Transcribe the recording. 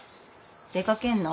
出掛けんの？